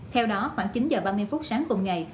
theo đó khoảng chín h ba mươi sáng cùng ngày